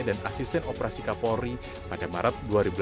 dan asisten operasi kapolri pada maret dua ribu delapan belas